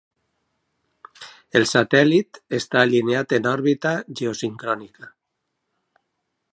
El satèl·lit està alineat en òrbita geosincrònica.